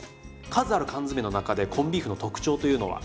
数ある缶詰の中でコンビーフの特徴というのは？